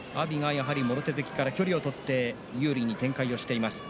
もろ手突きから距離を取って有利に展開しています。